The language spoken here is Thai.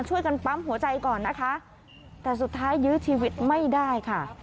ช่วยกันปั๊มหัวใจก่อนนะคะแต่สุดท้ายยื้อชีวิตไม่ได้ค่ะ